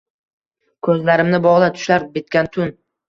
Ko’zlarimni bog’la, tushlar bitgan tun